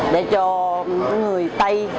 để cho người tây